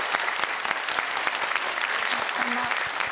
おひさま。